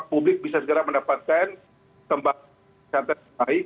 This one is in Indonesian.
publik bisa segera mendapatkan tempat wisata yang baik